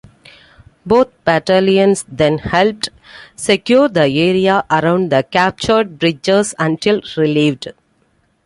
Both battalions then helped secure the area around the captured bridges until relieved.